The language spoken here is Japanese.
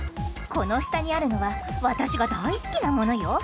この下にあるのは私が大好きなものよ。